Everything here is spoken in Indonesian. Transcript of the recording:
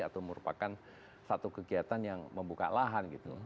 atau merupakan satu kegiatan yang membuka lahan gitu